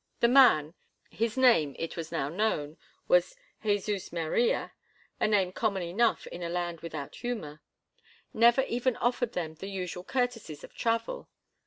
The man—his name, it was now known, was Jesus Maria—a name common enough in a land without humor—never even offered them the usual courtesies of travel.